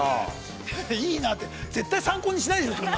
いいなあって、絶対参考にしないでしょう。